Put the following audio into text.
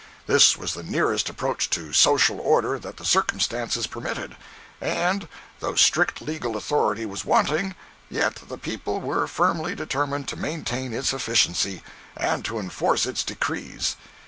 This was the nearest approach to social order that the circumstances permitted, and, though strict legal authority was wanting, yet the people were firmly determined to maintain its efficiency, and to enforce its decrees.